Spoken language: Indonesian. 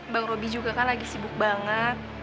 bang roby juga kan lagi sibuk banget